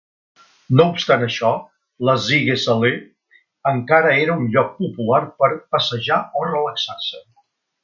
No obstant això, la Siegesallee encara era un lloc popular per passejar o relaxar-se.